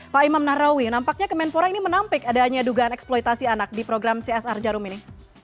pak imam nahrawi nampaknya kemenpora ini menampik adanya dugaan eksploitasi anak di program csr jarum ini